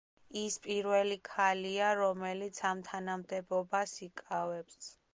ის პირველი ქალია, რომელიც ამ თანამდებობას იკავებს.